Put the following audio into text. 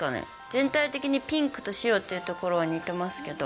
全体的にピンクと白っていうところは似てますけど。